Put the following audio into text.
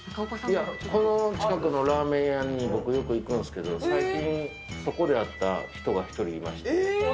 この近くのラーメン屋に僕、よく行くんですけど、最近、そこで会った人が１人います。